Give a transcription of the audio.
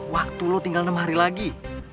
waktu lo tinggal enam hari lagi